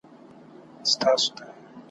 هر سړی به په خپل کار پسي روان وای `